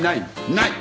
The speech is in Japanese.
ない。